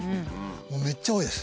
もうめっちゃ多いです。